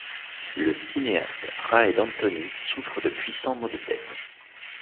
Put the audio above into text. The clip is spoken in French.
Le cinéaste Raed Andoni souffre de puissants maux de tête.